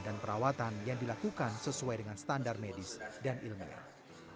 dan perawatan yang dilakukan sesuai dengan standar medis dan ilmiah